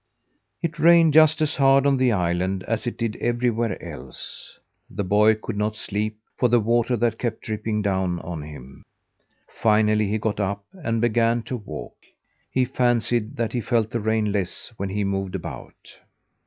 It rained just as hard on the island as it did everywhere else. The boy could not sleep for the water that kept dripping down on him. Finally he got up and began to walk. He fancied that he felt the rain less when he moved about.